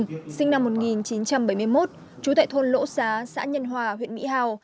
nguyễn bám thông sinh năm một nghìn chín trăm bảy mươi một trú tại thôn lỗ xá xã nhân hòa huyện mỹ hào